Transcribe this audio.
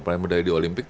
peraih medali di olimpik